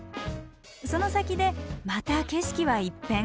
その先でまた景色は一変。